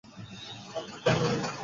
হ্যাঁ, খুব ভালো লেগেছে।